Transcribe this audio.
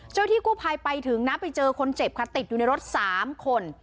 ที่กู้ภัยไปถึงนะไปเจอคนเจ็บค่ะติดอยู่ในรถ๓คน